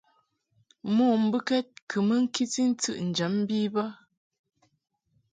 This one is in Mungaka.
Mo mbɨkɛd kɨ mɨ ŋkiti ntɨʼnjam bi bə.